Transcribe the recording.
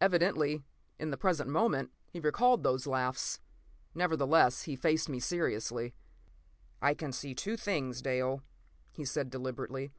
Evidently, in the present moment, he recalled those laughs. Nevertheless, he faced me seriously. "I can see two things, Dale," he said deliberately.